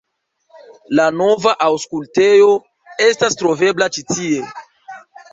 La nova Aŭskultejo estas trovebla ĉi tie.